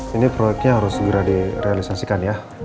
ini proyeknya harus segera direalisasikan ya